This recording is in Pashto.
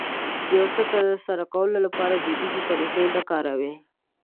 د يو څه ترسره کولو لپاره دوديزې طريقې نه کاروي.